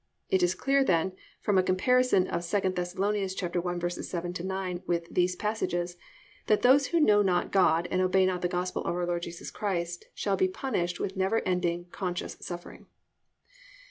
It is clear then, from a comparison of II Thess. 1:7 9 with these passages, that those who know not God and obey not the gospel of our Lord Jesus Christ shall be punished with never ending, conscious suffering.